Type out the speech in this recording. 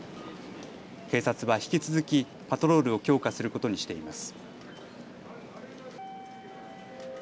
警察は引き続き、パトロールを強化することにしています。